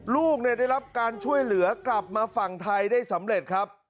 ลูกได้รับการช่วยเหลือกลับมาฝั่งไทยได้สำเร็จครับ